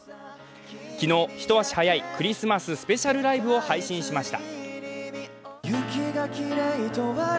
昨日、一足早いクリスマススペシャルライブを配信しました。